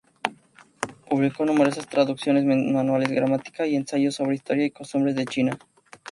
Publicó numerosas traducciones, manuales de gramática y ensayos sobre historia y costumbres de China.